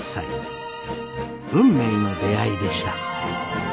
運命の出会いでした。